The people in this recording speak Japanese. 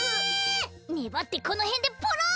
ねばってこのへんでポロッ！